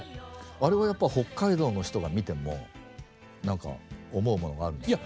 あれはやっぱ北海道の人が見てもなんか思うものがあるんですか？